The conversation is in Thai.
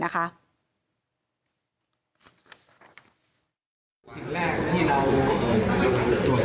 ครับนี่เป็นประเด็นแรก